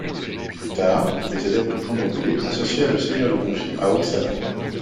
Plus tard, les adeptes du candomblé associèrent le Seigneur de Bonfim à Oxalá.